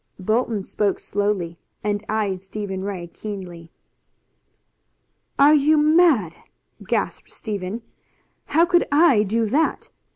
Bolton spoke slowly, and eyed Stephen Ray keenly. "Are you mad?" gasped Stephen. "How could I do that?